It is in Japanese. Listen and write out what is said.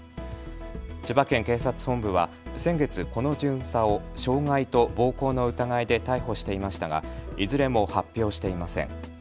千葉県警察本部は先月、この巡査を傷害と暴行の疑いで逮捕していましたがいずれも発表していません。